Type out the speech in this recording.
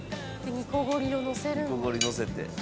煮こごりのせて。